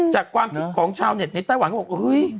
จากความคิดของชาวเน็ตในไทยหวังเขาบอก